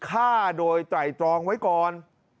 ฆ่าโดยไตรตรองไว้ก่อน